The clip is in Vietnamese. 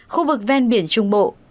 khu vực ven biển trung bộ